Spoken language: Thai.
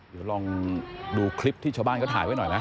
เดี๋ยวลองดูคลิปที่ชาวบ้านเขาถ่ายไว้หน่อยไหม